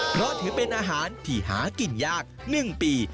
เพราะถือเป็นอาหารที่หากินยาก๑ปี